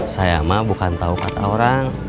saya mah bukan tahu kata orang